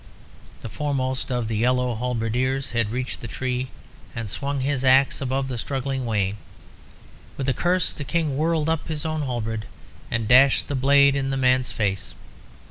The foremost of the yellow halberdiers had reached the tree and swung his axe above the struggling Wayne. With a curse the King whirled up his own halberd, and dashed the blade in the man's face.